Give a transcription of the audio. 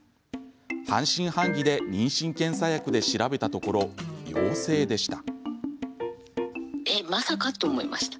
半信半疑で妊娠検査薬で調べたところ、陽性でした。